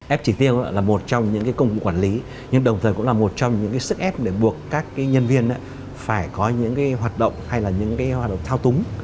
ép chỉ tiêu là một trong những công cụ quản lý nhưng đồng thời cũng là một trong những sức ép để buộc các nhân viên phải có những hoạt động hay là những hoạt động thao túng